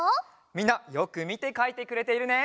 みんなよくみてかいてくれているね！